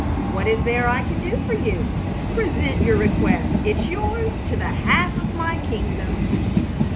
What is there I can do for you? Present your request. It's yours to the half of my kingdom."